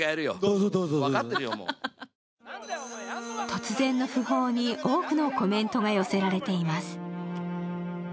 突然の訃報に多くのコメントが寄せられています。